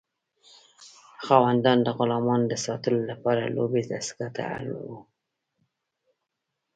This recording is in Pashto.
خاوندان د غلامانو د ساتلو لپاره لویې دستگاه ته اړ وو.